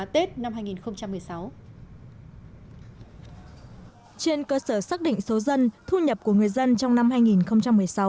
ba trăm một mươi sáu trên cơ sở xác định số dân thu nhập của người dân trong năm hai nghìn một mươi sáu